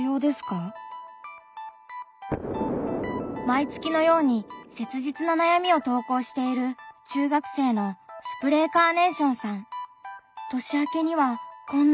毎月のように切実な悩みを投稿している中学生のスプレーカーネーションさん。